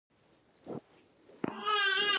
هغه پنځه سوه زره افغانۍ پانګه اچوي